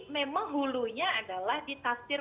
memang hulunya adalah ditastir